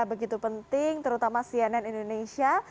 begitu penting terutama cnn indonesia